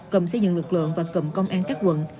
cầm xây dựng lực lượng và cầm công an các quận